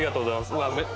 うわっ。